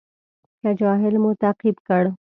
که جاهل مو تعقیب کړ.